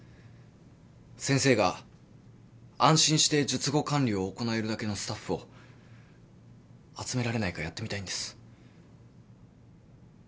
先生が安心して術後管理を行えるだけのスタッフを集められないかやってみたいんです。